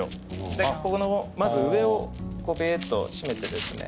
でこのまず上をベーッと締めてですね